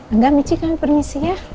enggak michi kami permisi ya